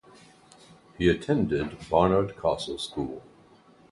He attended Barnard Castle School.